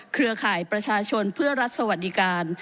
เครือข่ายประชาชนเพื่อรัฐสวัสดิการ